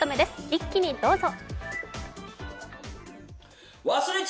一気にどうぞ。